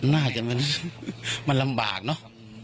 น่าจะมันลำบากเนอะ